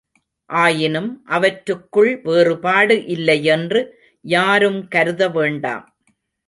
ஆயினும், அவற்றுக்குள் வேறுபாடு இல்லையென்று யாரும் கருத வேண்டாம்.